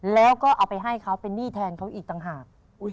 แล้วก็เอาไปให้เขาเป็นหนี้แทนเขาอีกต่างหาก